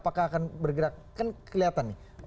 bergerakan bergerakan kan kelihatan nih